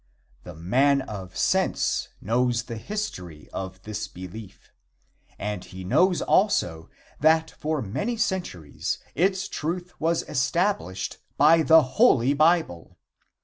The man of sense knows the history of this belief, and he knows, also, that for many centuries its truth was established by the Holy Bible.